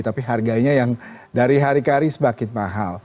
tapi harganya yang dari hari ke hari semakin mahal